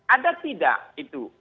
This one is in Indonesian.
ada tidak itu